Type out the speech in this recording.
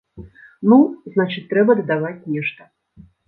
Ну, значыць трэба дадаваць нешта.